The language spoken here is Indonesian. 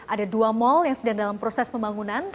ada dua mal yang sedang dalam proses pembangunan